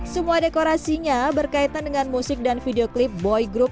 semua dekorasinya berkaitan dengan musik dan video klip boy group